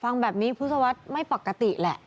ฟังแบบนี้พุทธศวรรษไม่ปกติแหละ